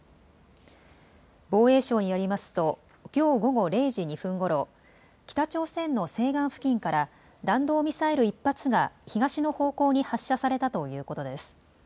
防衛省によりますときょう午後０時２分ごろ、北朝鮮の西岸付近から弾道ミサイル１発が東の方向に発射されたということです。